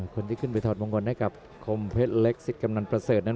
คนที่ขึ้นไปถอดมงคลให้กับคมเพชรเล็กสิทธิ์กำนันประเสริฐนั้น